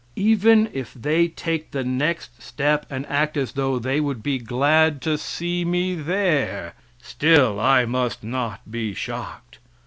Even if they take the next step and act as though they would be glad to see me there, still I must not be shocked.